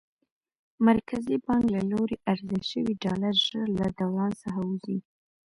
مرکزي بانک له لوري عرضه شوي ډالر ژر له دوران څخه وځي.